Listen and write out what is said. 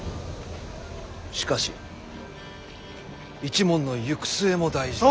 しかし一門の行く末も大事。